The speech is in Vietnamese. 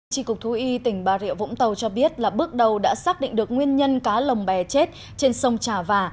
trị cục thú y tỉnh bà rịa vũng tàu cho biết là bước đầu đã xác định được nguyên nhân cá lồng bè chết trên sông trà vả